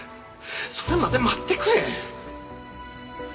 それまで待ってくれ！